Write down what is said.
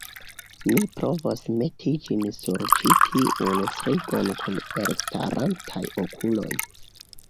Ni provos meti ĝin sur ĉi tiun strigon kun elstarantaj okuloj!